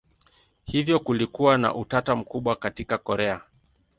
Hivyo kulikuwa na utata mkubwa katika Korea.